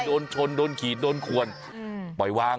โดนชนโดนขีดโดนขวนปล่อยวาง